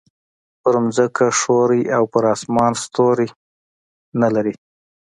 پر ځمکه ښوری او پر اسمان ستوری نه لري.